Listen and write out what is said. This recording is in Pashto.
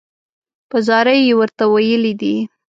په زاریو یې ورته ویلي دي.